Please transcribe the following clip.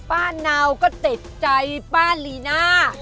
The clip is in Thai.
ป้านาวก็เต็ดใจป้าลีน่า